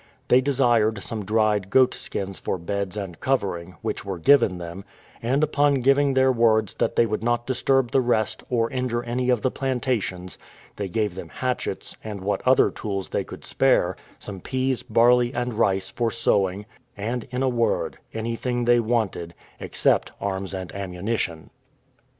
They desired some dried goat skins for beds and covering, which were given them; and upon giving their words that they would not disturb the rest, or injure any of their plantations, they gave them hatchets, and what other tools they could spare; some peas, barley, and rice, for sowing; and, in a word, anything they wanted, except arms and ammunition.